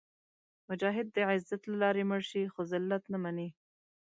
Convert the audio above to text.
مجاهد د عزت له لارې مړ شي، خو ذلت نه مني.